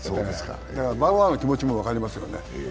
バウアーの気持ちもだから分かりますよね。